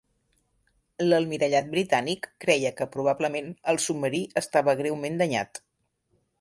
L'Almirallat Britànic creia que probablement el submarí estava greument danyat.